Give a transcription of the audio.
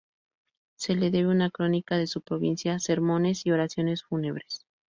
Se le debe una "Crónica" de su provincia, "Sermones" y "Oraciones fúnebres".